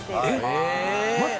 えっ？